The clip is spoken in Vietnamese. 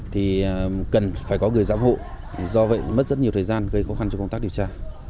thì cần phải có người giám hộ do vậy mất rất nhiều thời gian gây khó khăn cho công tác điều tra